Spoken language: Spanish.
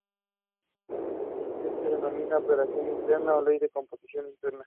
Que se denomina Operación interna o ley de composición interna.